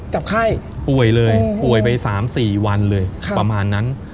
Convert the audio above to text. กับไข้ป่วยเลยป่วยไป๓๔วันเลยประมาณนั้น